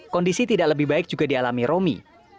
kondisi tidak lebih baik juga dialami romi